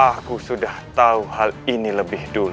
aku sudah tahu hal ini lebih dulu